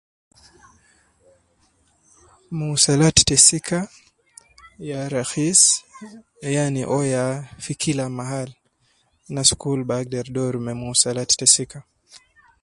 Muwasalat te sika ya rahis yani uwo ya gi kila mahal, anas kul bi agder doru me muwasalat te sika